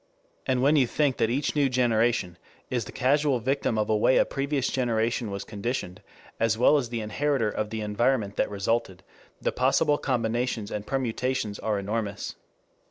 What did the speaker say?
And when you think that each new generation is the casual victim of the way a previous generation was conditioned, as well as the inheritor of the environment that resulted, the possible combinations and permutations are enormous.